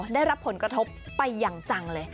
ได้รับผลกระทบไปอย่างจังเลย